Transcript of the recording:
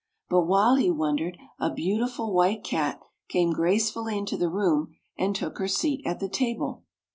But while he wondered, a beau tiful White Cat came gracefully into the room and took her seat at the table.